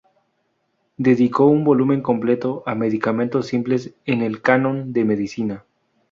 Dedicó un volumen completo a medicamentos simples en el Canon de Medicina.